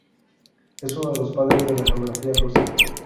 Es uno de los padres de la geografía rusa.